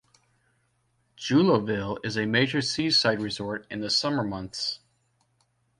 Jullouville is a major seaside resort in the summer months.